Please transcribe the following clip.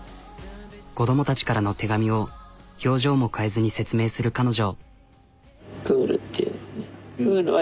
子供たちからの手紙を表情も変えずに説明する彼女。